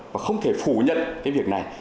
và không thể phủ nhận cái việc này